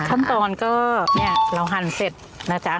ขั้นตอนก็เนี่ยเราหั่นเสร็จนะจ๊ะ